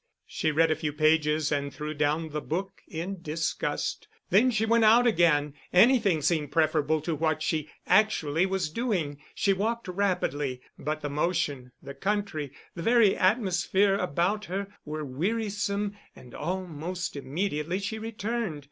She read a few pages and threw down the book in disgust. Then she went out again anything seemed preferable to what she actually was doing she walked rapidly, but the motion, the country, the very atmosphere about her, were wearisome; and almost immediately she returned.